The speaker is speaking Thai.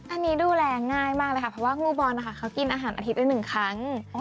อันนี้ดูแลง่ายมากเลยค่ะเพราะว่างูบอลนะคะเขากินอาหารอาทิตย์หนึ่งครั้ง